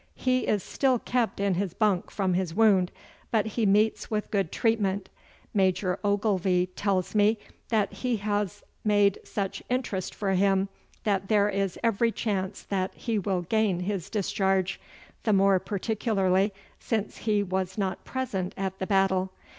He is still kept in his bunk from his wound, but he meets with good treatment. Major Ogilvy tells me that he has made such interest for him that there is every chance that he will gain his discharge, the more particularly since he was not present at the battle.